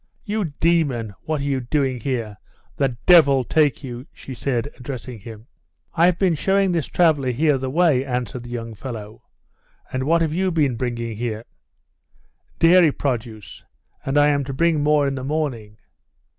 "You demon, what are you doing here? The devil take you," she said, addressing him. "I've been showing this traveller here the way," answered the young fellow. "And what have you been bringing here?" "Dairy produce, and I am to bring more in the morning."